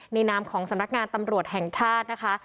นามของสำนักงานตำรวจแห่งชาตินะคะ